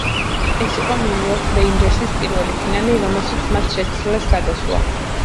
ეს იყო ნიუ-იორკ რეინჯერსის პირველი ფინალი, რომელშიც მათ შესძლეს გასვლა.